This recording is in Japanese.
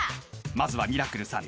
［まずはミラクルさん］